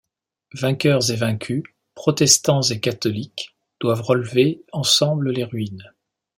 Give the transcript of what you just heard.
Vainqueurs et Vaincus, Protestants et Catholiques doivent relever ensemble les ruines.